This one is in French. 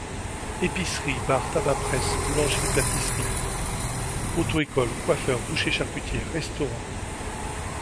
Épiceries, bars, tabac-presse, boulangeries-pâtisseries, auto-école, coiffeurs, boucher-charcutier, restaurant.